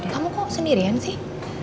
kamu kok sendirian sih